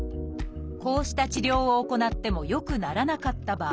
こうした治療を行っても良くならなかった場合